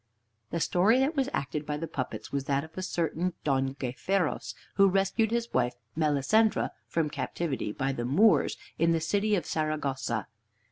The story that was acted by the puppets was that of a certain Don Gayferos, who rescued his wife Melisendra from captivity by the Moors in the city of Saragossa.